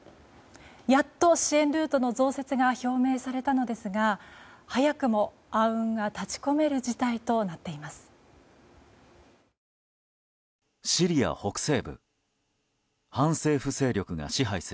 やっと支援ルートの増設が表明されたのですが早くも暗雲が立ち込める事態となっています。